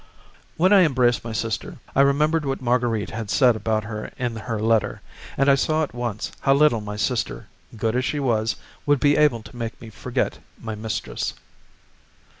When I embraced my sister, I remembered what Marguerite had said about her in her letter, and I saw at once how little my sister, good as she was, would be able to make me forget my mistress.